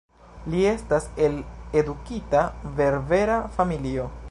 Li estas el edukita berbera familio.